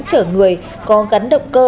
chở người có gắn động cơ